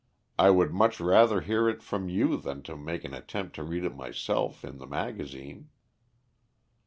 I would much rather hear it from you than make an attempt to read it myself in the magazine."